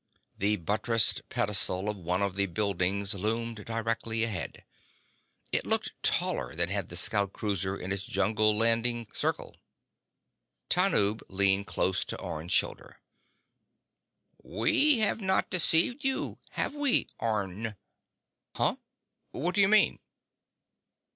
The buttressed pedestal of one of the buildings loomed directly ahead. It looked taller than had the scout cruiser in its jungle landing circle. Tanub leaned close to Orne's shoulder. "We have not deceived you, have we, Orne?" "Huh? What do you mean?"